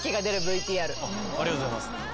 ありがとうございます。